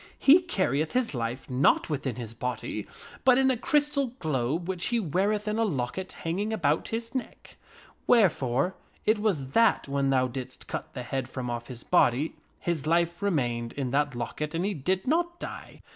He carrieth his life not within his body, but in a crystal globe which he weareth in a locket hang ing about his neck; wherefore it was that when thou didst cut the head from off his body, his life remained in that locket and he did not die.